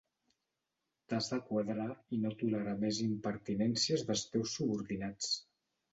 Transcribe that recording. T'has de quadrar i no tolerar més impertinències dels teus subordinats.